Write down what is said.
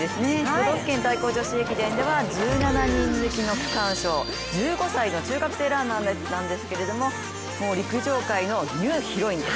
都道府県対抗女子駅伝では１７人抜きの区間新、１５歳の中学生ランナーなんですけどもう陸上界のニューヒロインです。